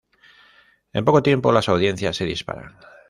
En poco tiempo las audiencias se disparan.